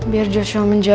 biar joshua menjauh